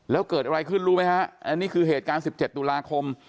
แล้วเกิดอะไรขึ้นรู้ไหมฮะอันนี้คือเหตุการณ์๑๗ตุลาคม